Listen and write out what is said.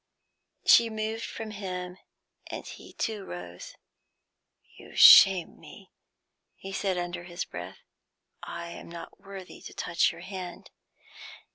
She moved from him, and he too rose. "You shame me," he said, under his breath. "I am not worthy to touch your hand."